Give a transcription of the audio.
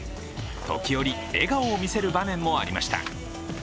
時折、笑顔を見せる場面もありました。